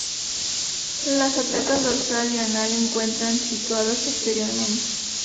Las aletas dorsal y anal encuentran situadas posteriormente.